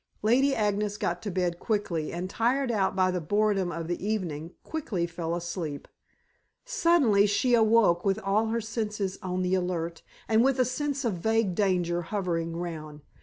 Lady Agnes got to bed quickly, and tired out by the boredom of the evening, quickly fell asleep. Suddenly she awoke with all her senses on the alert, and with a sense of vague danger hovering round.